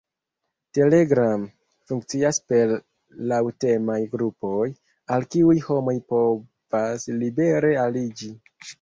Telegram funkcias per laŭtemaj grupoj, al kiuj homoj povas libere aliĝi.